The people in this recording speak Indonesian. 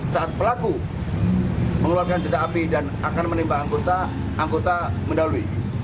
saat pelaku mengeluarkan senjata api dan akan menembak anggota anggota mendalui